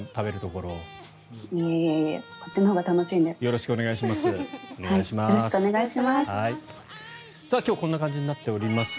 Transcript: こっちのほうが楽しいです。